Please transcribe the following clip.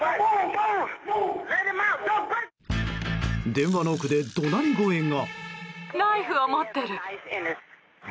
電話の奥で怒鳴り声が。